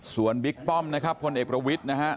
ส่วนบิ๊กป้อมนะครับพลเอกประวิทย์นะฮะ